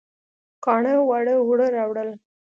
کاڼه واړه اوړه راوړل